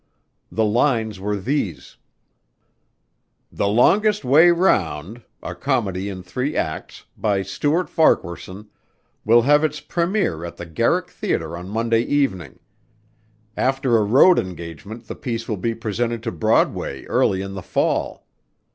The lines were these: "'The Longest Way Round,' a comedy in three acts, by Stuart Farquaharson, will have its première at the Garrick Theater on Monday evening. After a road engagement the piece will be presented to Broadway early in the fall.